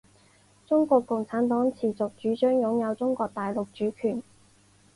中国共产党持续主张拥有中国大陆主权。